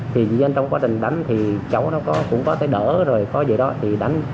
thì dĩ nhiên trong quá trình đánh thì cháu nó cũng có thể đỡ rồi có gì đó thì đánh